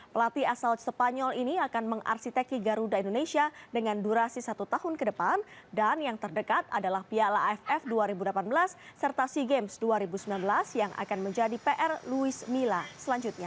pelatih asal spanyol ini akan mengarsiteki garuda indonesia dengan durasi satu tahun ke depan dan yang terdekat adalah piala aff dua ribu delapan belas serta sea games dua ribu sembilan belas yang akan menjadi pr luis mila selanjutnya